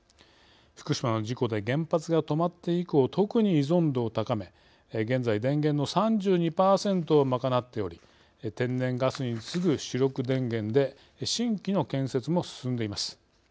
福島の事故で原発が止まって以降特に依存度を高め現在電源の３２％を賄っており天然ガスに次ぐ主力電源で新規の建設も進んでいます。